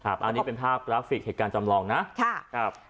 อันนี้เป็นภาพกราฟิกเหตุการณ์จำลองนะ